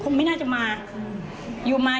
ไม่น่าจะมา